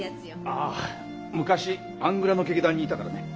ああ昔アングラの劇団にいたからね。